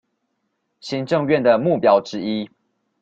行政院的目標之一